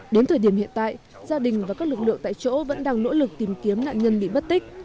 đến thời điểm hiện tại gia đình và các lực lượng tại chỗ vẫn đang nỗ lực tìm kiếm nạn nhân bị bất tích